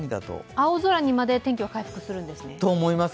青空にまで天気は回復するんですね？